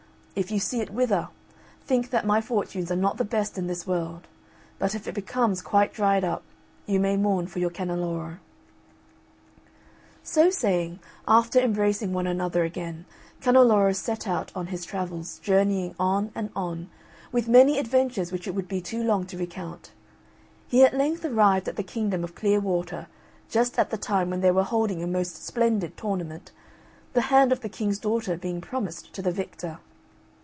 If you see it wither, think that my fortunes are not the best in this world; but if it becomes quite dried up, you may mourn for your Canneloro." So saying, after embracing one another again, Canneloro set out on his travels; journeying on and on, with many adventures which it would be too long to recount he at length arrived at the Kingdom of Clear Water, just at the time when they were holding a most splendid tournament, the hand of the King's daughter being promised to the victor.